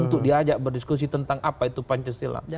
untuk diajak berdiskusi tentang apa itu pancasila